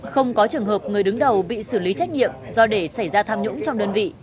không có trường hợp người đứng đầu bị xử lý trách nhiệm do để xảy ra tham nhũng trong đơn vị